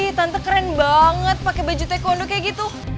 ini tante keren banget pakai baju taekwondo kayak gitu